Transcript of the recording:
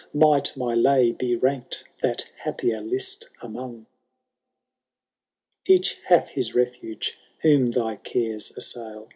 might my lay be rank'd that happier list among !' Each hath his refuge whom thy cares assail.